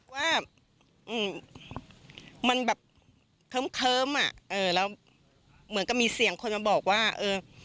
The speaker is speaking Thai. ว่ามันแบบเคิ้มอ่ะเออแล้วเหมือนกับมีเสียงคนมาบอกว่าเออ